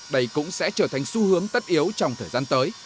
đây cũng sẽ trở thành xu hướng tất yếu trong thời gian tới